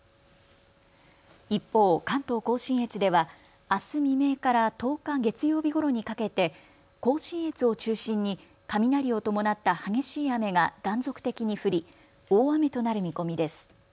一方、関東甲信越ではあす未明から１０日、月曜日ごろにかけて甲信越を中心に雷を伴った激しい雨が断続的に降り大雨となる見込みです。